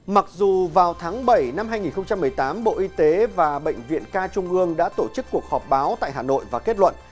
mặc dù vào tháng bảy năm hai nghìn một mươi tám bộ y tế và bệnh viện ca trung ương đã tổ chức cuộc họp báo tại hà nội và kết luận